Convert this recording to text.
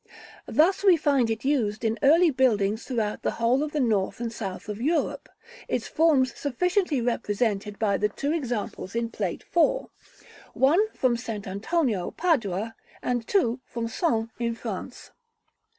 Thus we find it used in early buildings throughout the whole of the north and south of Europe, in forms sufficiently represented by the two examples in Plate IV.: 1, from St. Antonio, Padua; 2, from Sens in France.